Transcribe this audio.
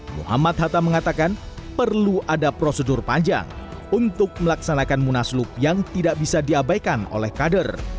muhammad hatta mengatakan perlu ada prosedur panjang untuk melaksanakan munaslup yang tidak bisa diabaikan oleh kader